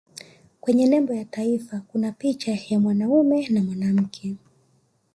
kwenye nembo ya taifa kuna picha ya mwanaume na mwanamke